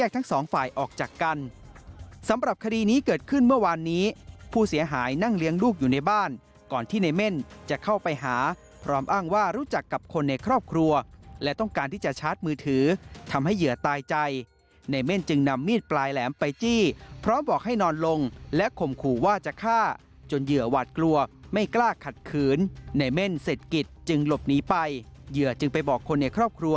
ทั้งพื้นที่ฉะเชิงเซาสมุทรประการและชนบุรีค่ะ